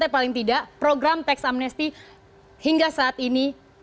paling tidak program teks amnesti hingga saat ini